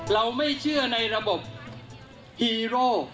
เราไม่เชื่อในระบบฮีโร่